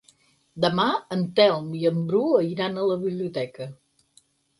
Demà en Telm i en Bru iran a la biblioteca.